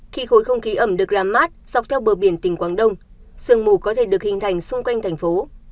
khi khối không khí ẩm được làm mát dọc theo bờ biển tỉnh quảng đông sương mù có thể được hình thành xung quanh thành phố